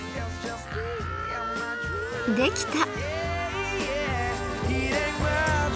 できた！